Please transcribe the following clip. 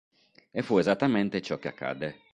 E fu esattamente ciò che accadde.